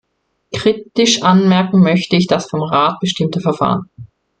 Kritisch anmerken möchte ich das vom Rat bestimmte Verfahren.